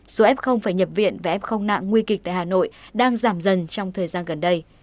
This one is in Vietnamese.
số f phải nhập viện và f không nặng nguy kịch tại hà nội đang giảm dần trong thời gian gần đây